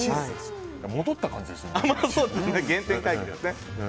戻った感じがしますね。